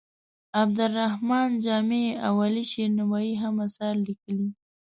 عبدالرحمان جامي او علي شیر نوایې هم اثار لیکلي.